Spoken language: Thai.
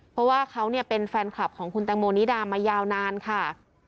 เพราะว่าเขาเป็นแฟนคลับของคุณแตงโมนิดามายาวนานค่ะ